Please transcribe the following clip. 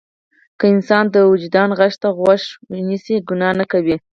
که انسان د وجدان غږ ته غوږ ونیسي ګناه نه کوي.